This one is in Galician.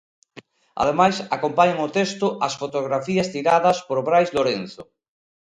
Ademais, acompañan o texto as fotografías tiradas por Brais Lorenzo.